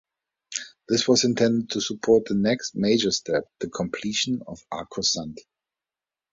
This was intended to support the next major step, the completion of Arcosanti.